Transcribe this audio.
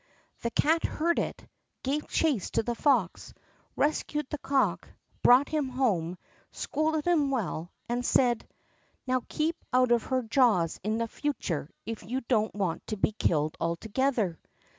The cat heard it, gave chase to the fox, rescued the cock, brought him home, scolded him well, and said: "Now keep out of her jaws in the future if you don't want to be killed altogether!"